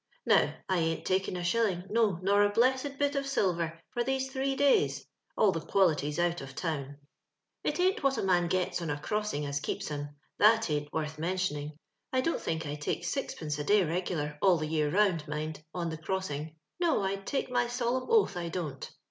Now, I ain't taken a shilling, no, nor a blessed bit of silver, for these three days. All the quality's out of town. It ain't what a man gets on a crossing as keeps him; thai ain't worth mentioning. I dont think I takes sixpence a day regular — all the year round, mind — on Uie crossing. No, I'd take my solemn oath I don't